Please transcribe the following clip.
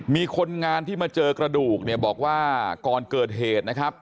มีคนงานที่มาเจอกระดูกเนี่ยบอกว่าก่อนเกิดเหตุนะครับ